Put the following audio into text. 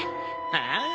ああ。